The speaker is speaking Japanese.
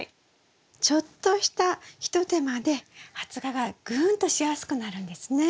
ちょっとした一手間で発芽がぐんとしやすくなるんですね。